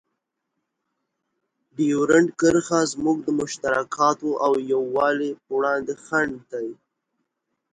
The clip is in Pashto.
ډیورنډ کرښه زموږ د مشترکاتو او یووالي په وړاندې خنډ ده.